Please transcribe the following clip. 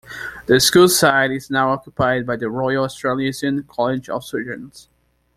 The school site is now occupied by the Royal Australasian College of Surgeons.